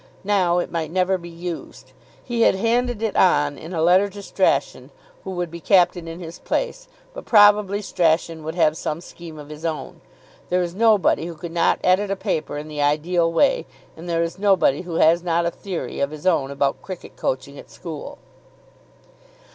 Now it might never be used. He had handed it on in a letter to Strachan, who would be captain in his place; but probably Strachan would have some scheme of his own. There is nobody who could not edit a paper in the ideal way; and there is nobody who has not a theory of his own about cricket coaching at school.